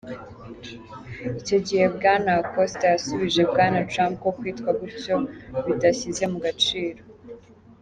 Icyo gihe, Bwana Acosta yasubije Bwana Trump ko kwitwa gutyo "bidashyize mu gaciro".